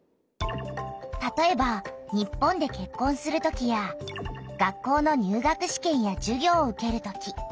たとえば日本で結婚するときや学校の入学試験やじゅぎょうを受けるとき。